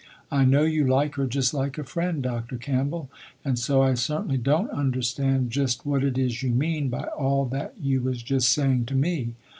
I know you like her just like a friend Dr. Campbell, and so I certainly don't understand just what it is you mean by all that you was just saying to me.